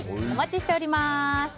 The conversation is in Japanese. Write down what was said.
お待ちしております。